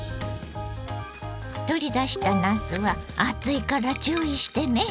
取り出したなすは熱いから注意してね。